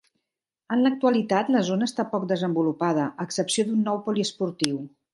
En l'actualitat, la zona està poc desenvolupada, a excepció d'un nou poliesportiu.